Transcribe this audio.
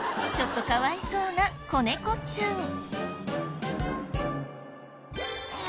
ちょっとかわいそうな子猫ちゃん。